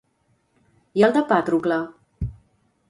I el de Pàtrocle?